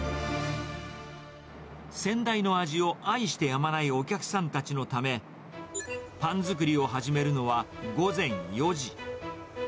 先代の味を愛してやまないお客さんたちのため、パン作りを始めるのは午前４時。